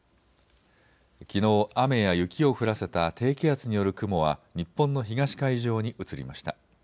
きのう雨や雪を降らせた低気圧による雲は日本の東海上に移りました。